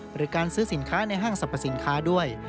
หรือการซื้อสินค้าในห้างสรรพสินค้าด้วย